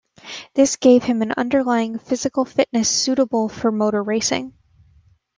This gave him an underlying physical fitness suitable for motor racing.